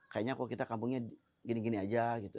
kayaknya kok kita kampungnya gini gini aja gitu